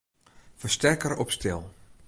Fersterker op stil.